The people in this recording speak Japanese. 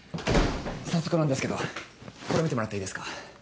早速なんですけどこれ見てもらっていいですか？